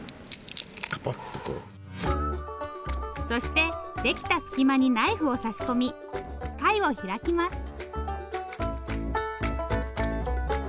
そしてできた隙間にナイフを差し込み貝を開きます。